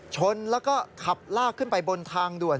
ชนแล้วก็ขับลากขึ้นไปบนทางด่วน